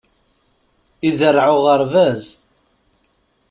Iderreɛ uɣerbaz.